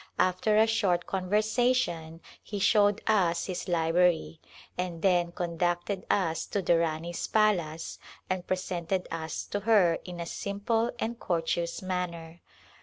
After a short conversation he showed us his library, and then conducted us to the Rani's palace and presented us to her in a simple and courteous manner.